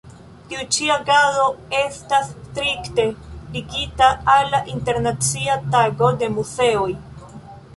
Tiu ĉi agado estas strikte ligita al Internacia Tago de Muzeoj.